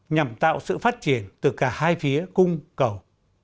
nhằm tạo sự phát triển từ cả hai phía cung cầu